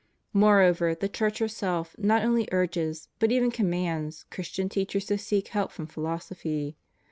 ^ Moreover, the Church herself not only urges, but even commands, Christian teachers to seek help from philosophy.